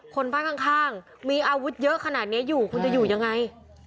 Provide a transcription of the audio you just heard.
คนบ้านข้างมีอาวุธเยอะขนาดนี้อยู่คุณจะอยู่ยังไง